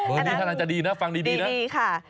อันนี้ทางล่างจะดีนะฟังดีนะดีค่ะ